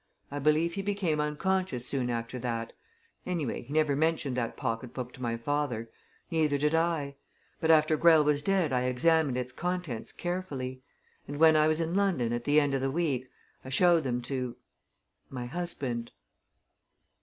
I believe he became unconscious soon after that; anyway, he never mentioned that pocket book to my father. Neither did I. But after Greyle was dead I examined its contents carefully. And when I was in London at the end of the week, I showed them to my husband."